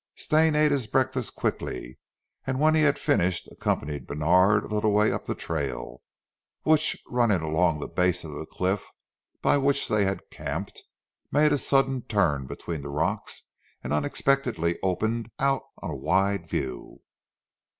Stane ate his breakfast quickly, and when he had finished, accompanied Bènard a little way up the trail, which running along the base of the cliff by which they had camped, made a sudden turn between the rocks and unexpectedly opened out on a wide view.